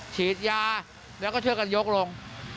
ฉีดยาแล้วก็ช่วยกันยกลง